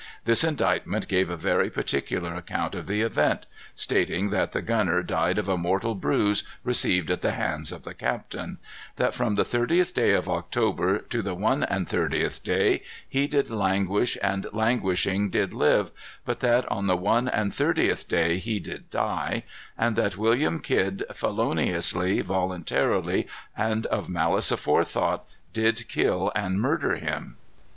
This indictment gave a very particular account of the event, stating that the gunner died of a mortal bruise received at the hands of the captain; that from the thirtieth day of October to the one and thirtieth day, he did languish and languishing did live, but that on the one and thirtieth day he did die; and that William Kidd, feloniously, voluntarily, and of malice aforethought, did kill and murder him.